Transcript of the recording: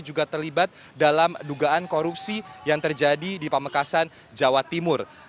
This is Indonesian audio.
juga terlibat dalam dugaan korupsi yang terjadi di pamekasan jawa timur